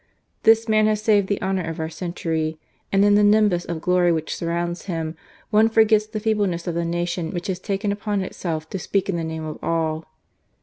... This man has saved the honour of our century ; and in the nimbus of glory which surrounds him, one forgets the feebleness of the nation which has taken upon itself to speak in the name of all."